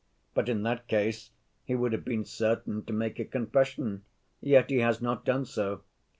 But in that case he would have been certain to make a confession, yet he has not done so.